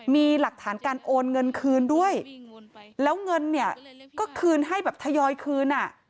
มีหลักฐานการโอนเงินคืนด้วยแล้วเงินเนี่ยก็คืนให้แบบทยอยคืนอ่ะ